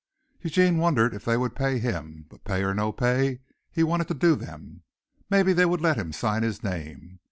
Eugene wondered if they would pay him, but pay or no pay he wanted to do them. Maybe they would let him sign his name.